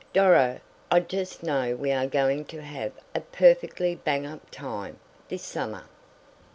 "Doro, I just know we are going to have a perfectly bang up time, this summer."